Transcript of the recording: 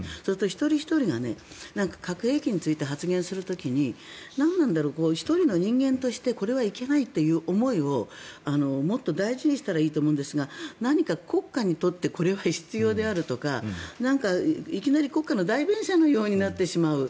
一人ひとりが核兵器について発言する時に何なんだろう、１人の人間としてこれはいけないという思いをもっと大事にしたらいいと思うんですが何か国家にとってこれは必要であるとかいきなり国家の代弁者のようになってしまう。